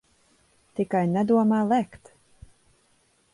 Tikai nedomā lēkt.